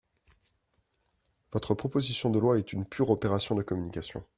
Votre proposition de loi est une pure opération de communication.